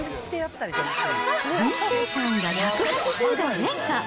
人生観が１８０度変化！